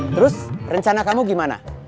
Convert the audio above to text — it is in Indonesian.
terus rencana kamu gimana